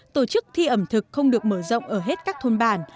tổ chức thi ẩm thực không được mở rộng ở hết các thôn bản